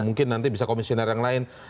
mungkin nanti bisa komisioner yang lain